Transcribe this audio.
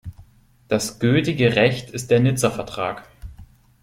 Das gültige Recht ist der Nizza-Vertrag.